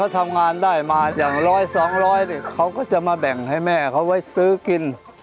ทำงานได้มาอย่างร้อยสองร้อยเขาก็จะมาแบ่งให้แม่เขาไว้ซื้อกิน